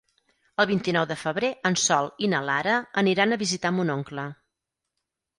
El vint-i-nou de febrer en Sol i na Lara aniran a visitar mon oncle.